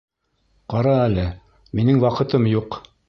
Ҡара әле, минең ваҡытым юҡ.